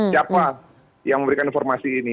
siapa yang memberikan informasi ini